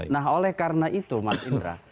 nah oleh karena itu mas indra